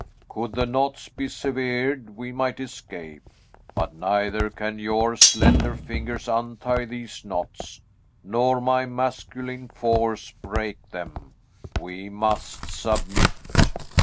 Could the knots be severed, we might escape. But neither can your slender fingers untie these knots, nor my masculine force break them. We must submit!"